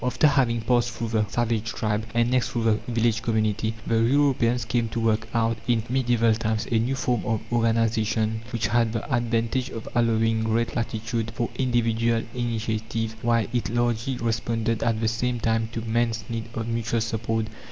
After having passed through the savage tribe, and next through the village community, the Europeans came to work out in medieval times a new form of organization, which had the advantage of allowing great latitude for individual initiative, while it largely responded at the same time to man's need of mutual support.